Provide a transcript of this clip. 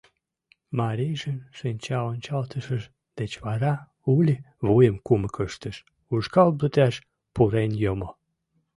Марийжын шинчаончалтышыж деч вара Ули вуйым кумык ыштыш, ушкал вӱташ пурен йомо.